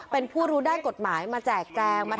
เป็นผู้รู้ด้านกฎหมายมาแจกแจง